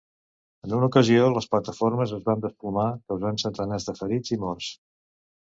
En una ocasió les plataformes es van desplomar, causant centenars de ferits i morts.